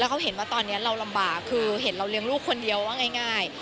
เขาเห็นว่าตอนนี้เราลำบากคือเห็นเราเลี้ยงลูกคนเดียวว่าง่าย